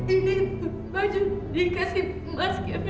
ini baju dikasih mas kevin